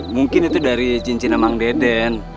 mungkin itu dari cincinnya mang deden